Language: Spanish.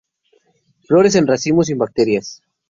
Flores en racimos sin brácteas.